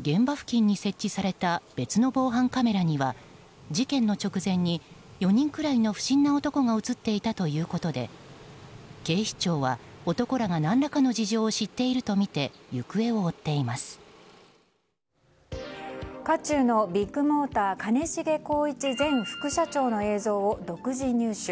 現場付近に設置された別の防犯カメラには事件の直前に４人くらいの不審な男が映っていたということで警視庁は男らが何らかの事情を知っているとみて渦中のビッグモーター兼重宏一前副社長の映像を独自入手。